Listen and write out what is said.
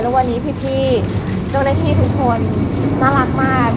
แล้ววันนี้พี่เจ้าหน้าที่ทุกคนน่ารักมาก